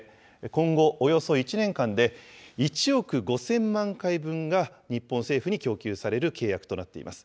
今後およそ１年間で、１億５０００万回分が日本政府に供給される契約となっています。